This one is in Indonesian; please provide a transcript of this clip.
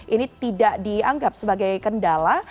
ini tidak dianggap sebagai kendala